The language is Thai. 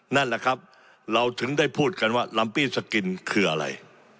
นั่นแหละครับเราถึงได้พูดกันว่าลัมปี้สกินคืออะไร